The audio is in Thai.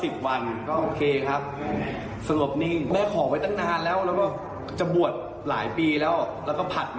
แค่เจ้ากรรมนิเวย์อะไรอย่างนี้ครับ